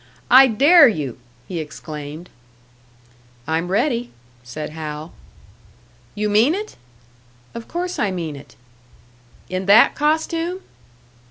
"I dare you!" he exclaimed. "I'm ready," said Hal. "You mean it?" "Of course I mean it." "In that costume?"